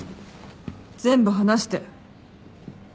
全部話して。